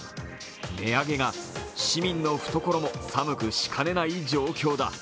値上がりが市民の懐も寒くしかねない状況だ。